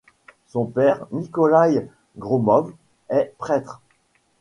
Son père, Nikolaï Gromov, est prêtre.